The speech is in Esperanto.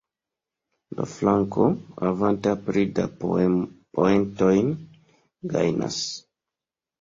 La flanko, havanta pli da poentojn, gajnas.